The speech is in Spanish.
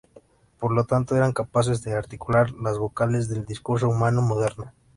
Por lo tanto eran capaces de articular las vocales del discurso humano moderno.